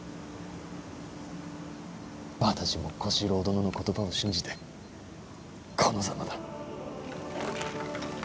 私も小四郎殿の言葉を信じてこのざまだ。